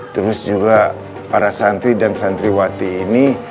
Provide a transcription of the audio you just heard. terus juga para santri dan santriwati ini